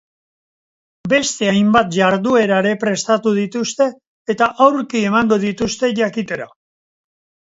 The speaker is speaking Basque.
Beste hainbat jarduera ere prestatu dituzte, eta aurki emango dituzte jakitera.